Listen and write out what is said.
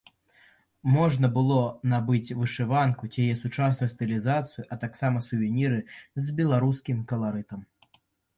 Можна было набыць вышыванку ці яе сучасную стылізацыю, а таксама сувеніры з беларускім каларытам.